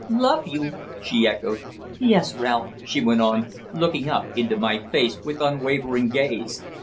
"Love you?" she echoed. "Yes, Ralph," she went on, looking up into my face with unwavering gaze.